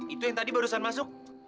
itu yang tadi barusan masuk